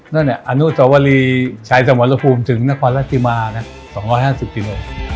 นั่นอันนู้สวรรีชายสมรภูมิถึงนครรภ์ที่มา๒๕๐กิโลกรัม